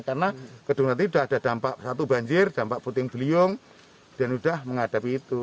karena kedengarannya sudah ada dampak satu banjir dampak puting beliung dan sudah menghadapi itu